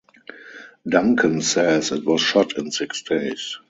Duncan says it was shot in six days.